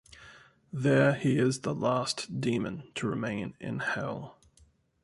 There he is the last demon to remain in Hell.